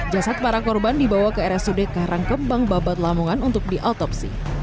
jasad para korban dibawa ke rsud karangkembang babat lamongan untuk diautopsi